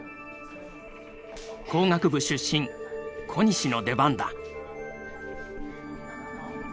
工学部出身小西の出番だ。